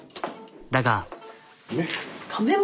だが。